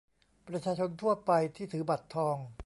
ประชาชนทั่วไปที่ถือบัตรทอง